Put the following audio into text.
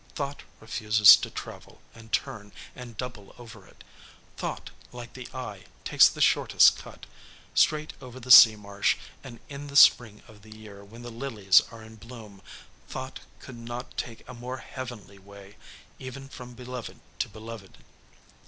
Thought refuses to travel and turn and double over it; thought, like the eye, takes the shortest cut straight over the sea marsh; and in the spring of the year, when the lilies are in bloom, thought could not take a more heavenly way, even from beloved to beloved.